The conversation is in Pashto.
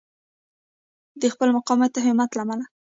د خپل مقاومت او همت له امله.